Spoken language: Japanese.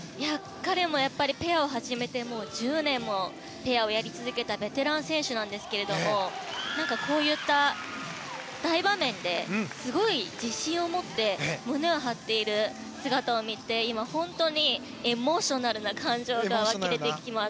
彼もやっぱりペアを始めてもう１０年もペアをやり続けたベテラン選手なんですけれどもこういった大場面ですごい自信を持って胸を張っている姿を見て今、本当にエモーショナルな感情が湧き出てきます。